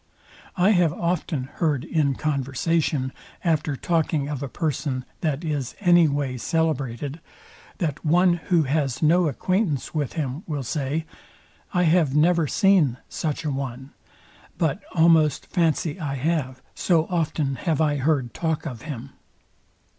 I have often heard in conversation, after talking of a person, that is any way celebrated, that one, who has no acquaintance with him, will say, I have never seen such a one, but almost fancy I have; so often have I heard talk of him.